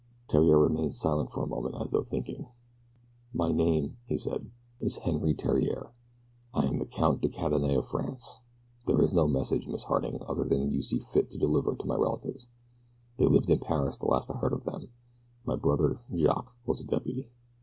Theriere remained silent for a moment as though thinking. "My name," he said, "is Henri Theriere. I am the Count de Cadenet of France. There is no message, Miss Harding, other than you see fit to deliver to my relatives. They lived in Paris the last I heard of them my brother, Jacques, was a deputy."